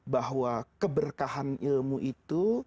bahwa keberkahan ilmu itu